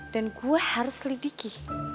dan gue harus lidiki